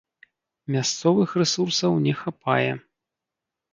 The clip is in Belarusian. Мясцовых рэсурсаў не хапае.